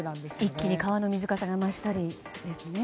一気に川の水かさが増したりですね。